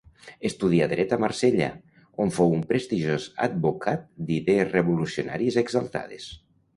Estudià dret a Marsella, on fou un prestigiós advocat d'idees revolucionàries exaltades.